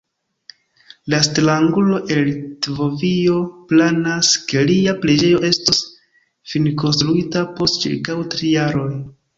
La strangulo el Litovio planas, ke lia preĝejo estos finkonstruita post ĉirkaŭ tri jaroj.